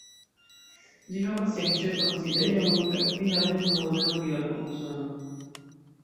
Ĝi havas sian ĉefan sidejon en la Kvina Avenuo de Novjorko en Usono.